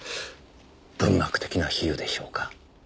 文学的な比喩でしょうか。